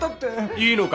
いいのか？